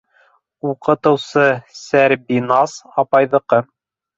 Уҡытыусы Сәрбиназ апайҙыҡы.